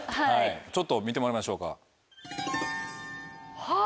ちょっと見てもらいましょうか。